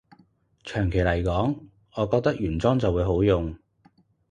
長期來講，我覺得原裝就會好用